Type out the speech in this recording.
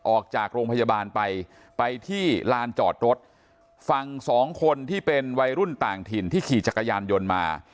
ออกจากโรงพยาบาลไปไปที่ลานจอดรถฝั่งสองคนที่เป็นวัยรุ่นต่างถิ่นที่ขี่จักรยานยนต์มา